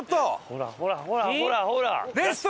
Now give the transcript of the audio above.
ほらほらほらほらほら！